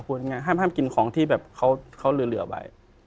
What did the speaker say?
ห้ามกินของที่เขาเหลือไว้